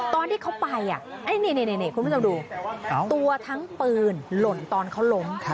ตอนที่เขาไปคุณผู้ชมดูตัวทั้งปืนหล่นตอนเขาล้ม